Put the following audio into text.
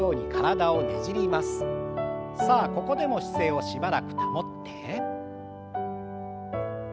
さあここでも姿勢をしばらく保って。